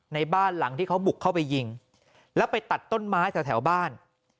ในบ้านหลังที่เขาบุกเข้าไปยิงแล้วไปตัดต้นไม้แถวบ้าน